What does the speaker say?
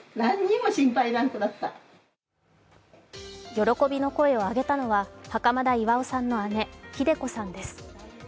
喜びの声を上げたのは袴田巌さんの姉、ひで子さんです。